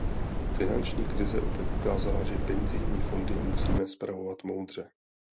Finanční krize opět ukázala, že penzijní fondy musíme spravovat moudře.